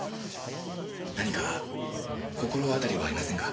何か心当たりはありませんか？